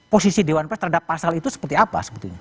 posisi dewan pers terhadap pasal itu seperti apa sebetulnya